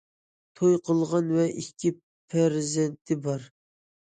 توي قىلغان ۋە ئىككى پەرزەنتى بار.